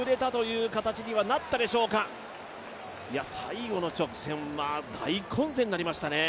最後の直線は大混戦になりましたね。